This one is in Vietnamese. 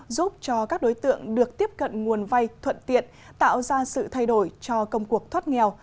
giúp cho các đối tượng được tiếp cận nguồn vay thuận tiện tạo ra sự thay đổi cho công cuộc thoát nghèo